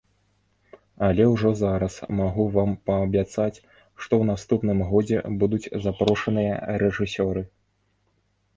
Але ўжо зараз магу вам паабяцаць, што ў наступным годзе будуць запрошаныя рэжысёры.